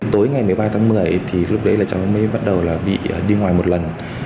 tối ngày một mươi ba tháng một mươi thì lúc đấy là cháu mới bắt đầu là bị đi ngoài một lần